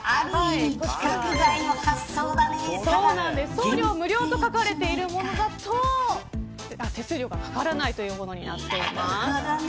送料無料と書かれているものだと手数料がかからないというものになっています。